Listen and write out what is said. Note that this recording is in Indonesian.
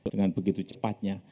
dengan begitu cepatnya